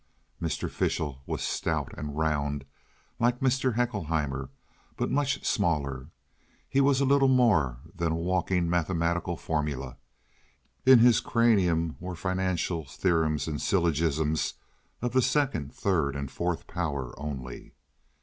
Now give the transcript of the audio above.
Mr. Fishel was stout and round like Mr. Haeckelheimer, but much smaller. He was little more than a walking mathematical formula. In his cranium were financial theorems and syllogisms of the second, third, and fourth power only.